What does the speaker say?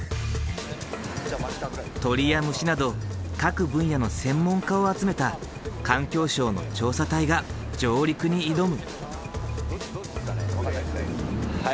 鳥や虫など各分野の専門家を集めた環境省の調査隊が上陸に挑む。